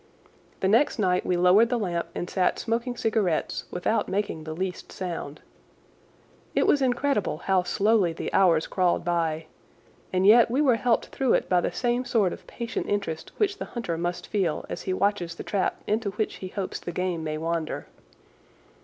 The next night we lowered the lamp and sat smoking cigarettes without making the least sound. It was incredible how slowly the hours crawled by, and yet we were helped through it by the same sort of patient interest which the hunter must feel as he watches the trap into which he hopes the game may wander.